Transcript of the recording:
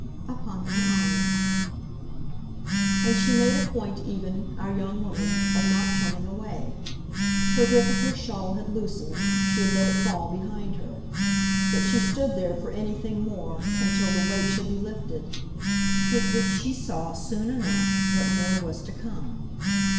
"Upon my honour:" And she made a point even, our young woman, of not turning away. Her grip of her shawl had loosened she had let it fall behind her; but she stood there for anything more and till the weight should be lifted. With which she saw soon enough what more was to come.